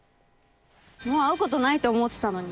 もう会うことないと思ってたのに。